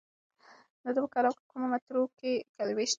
د ده په کلام کې کومې متروکې کلمې شته؟